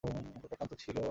লোকটা ক্লান্ত ছিল।